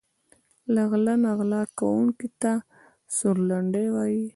له غله نه غلا کونکي ته سورلنډی وايي.